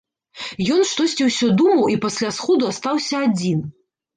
Ён штосьці ўсё думаў і пасля сходу астаўся адзін.